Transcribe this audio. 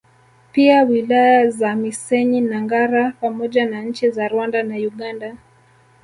Pia wilaya za Misenyi na Ngara pamoja na nchi za Rwanda na Uganda